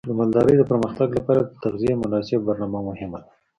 د مالدارۍ د پرمختګ لپاره د تغذیې مناسب برنامه مهمه ده.